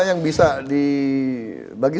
yang bisa dibagi